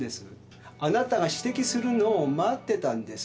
あなたが指摘するのを待ってたんです。